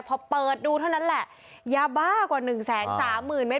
พอเปิดดูเท่านั้นแหละยาบ้ากว่าหนึ่งแสนสามหมื่นเมตร